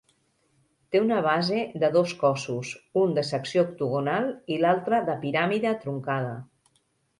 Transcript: Té una base de dos cossos, un de secció octogonal i l'altra de piràmide truncada.